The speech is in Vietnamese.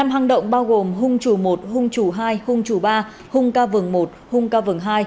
năm hang động bao gồm hung chủ một hung chủ hai hung chủ ba hung ca vầng một hung ca vầng hai